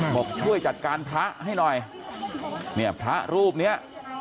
บอกช่วยจัดการพระให้หน่อยเนี่ยพระรูปเนี้ย